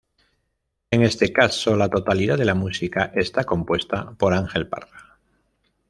En este caso, la totalidad de la música está compuesta por Ángel Parra.